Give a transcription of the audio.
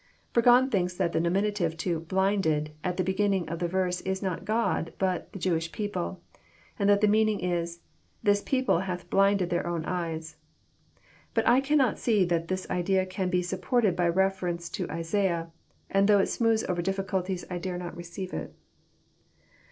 Burgon thinks that the nominative to " blinded " at the be ginning of the verse Is not God, but " the Jewish people; " and that the meaning is, "This people hath blinded their own eyes." But I cannot see that this idea can be supported by ref erence to Isaiah, and though It smooths over difficulties, I dare not receive it.